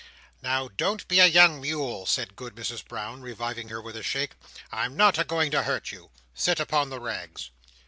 "Now don't be a young mule," said Good Mrs Brown, reviving her with a shake. "I'm not a going to hurt you. Sit upon the rags."